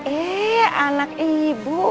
eh anak ibu